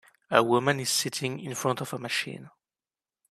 A woman is sitting in front of a machine.